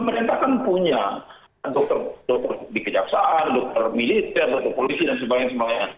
pemerintah kan punya dokter dikejaksaan dokter militer dokter polisi dan sebagainya